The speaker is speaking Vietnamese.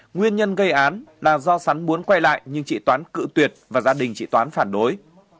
nguyên nhân gây án là do sắn muốn quay lại nhưng chị toán cự tuyệt và gia đình chị toán phản đối